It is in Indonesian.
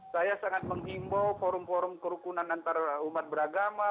saya sangat menghimbau forum forum kerukunan antara umat beragama